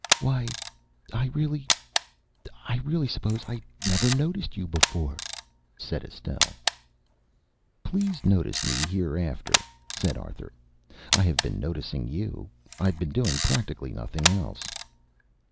"Why, I really I really suppose I never noticed you before," said Estelle. "Please notice me hereafter," said Arthur. "I have been noticing you. I've been doing practically nothing else."